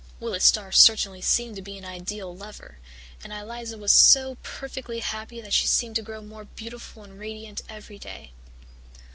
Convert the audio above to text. "Willis Starr certainly seemed to be an ideal lover, and Eliza was so perfectly happy that she seemed to grow more beautiful and radiant every day.